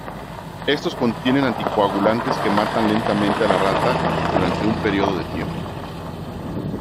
Estos contienen anticoagulantes que matan lentamente a la rata durante un período de tiempo.